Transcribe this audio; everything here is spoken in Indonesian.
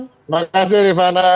terima kasih rifana